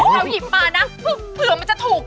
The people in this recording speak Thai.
เราหยิบมานะเผื่อมันจะถูก